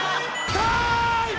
タイム！